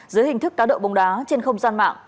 dưới hình thức cá độ bóng đá trên không gian mạng